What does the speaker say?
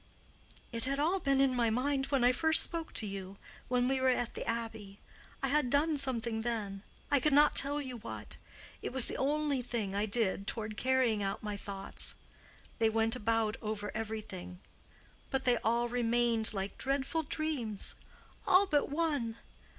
"It had all been in my mind when I first spoke to you—when we were at the Abbey. I had done something then. I could not tell you that. It was the only thing I did toward carrying out my thoughts. They went about over everything; but they all remained like dreadful dreams—all but one.